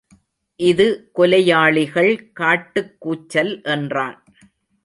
இது கொலையாளிகள் காட்டுக் கூச்சல் என்றான்.